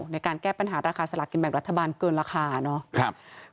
ในการแก้ปัญหาราคาสลากกินแบ่งรัฐบาลเกินราคาเนาะ